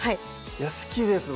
好きです